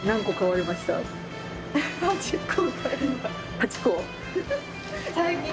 ８個？